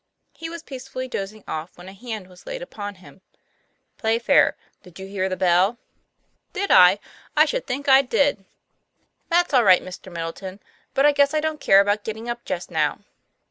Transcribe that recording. He was peacefully dozing off when a hand was laid upon him. " Playfair, did you hear the bell ?"" Did I ? I should think I did ! That's all right, 5 66 TOM PLAYFAIR. Mr. Middleton; but I guess I don't care about get' ting up just now."